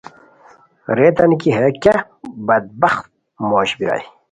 ریتانی کی ہیہ کیہ بدبخت موش بیرائے!